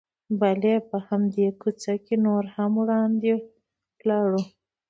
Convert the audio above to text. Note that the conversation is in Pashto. بلې، په همدې کوڅه کې نور هم وړاندې ولاړو.